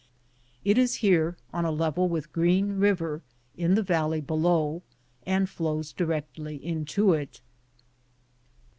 It is here on a level with Green River in the valley below and flows directly into it.